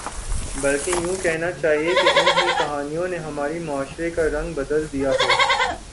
بلکہ یوں کہنا چاہیے کہ ان ہی کہانیوں نے ہمارے معاشرے کا رنگ بدل دیا ہے